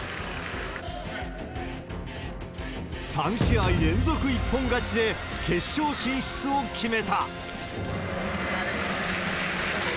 ３試合連続一本勝ちで、決勝進出を決めた。